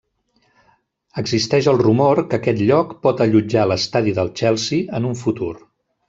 Existeix el rumor que aquest lloc pot allotjar l'estadi del Chelsea en un futur.